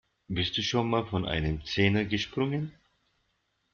Bist du schon mal von einem Zehner gesprungen?